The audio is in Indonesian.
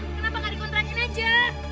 kenapa gak di kontrakin aja